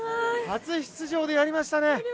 初出場でやりましたね。